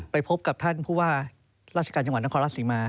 ไปพบกับท่านผู้ว่าราชการจังหวัดนครราชศรีมา